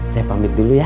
saya pamit dulu ya